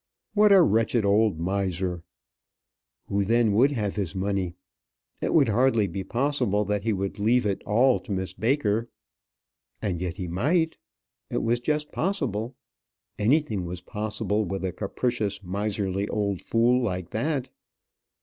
What a wretched old miser! Who then would have his money? It would hardly be possible that he would leave it all to Miss Baker. And yet he might. It was just possible. Anything was possible with a capricious miserly old fool like that.